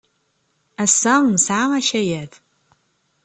Ass-a, nesɛa akayad.